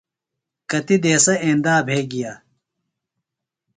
کتیۡ دیسہ ایندا بھےۡ گیہ۔